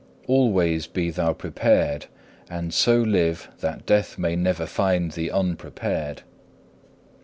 Always be thou prepared, and so live that death may never find thee unprepared.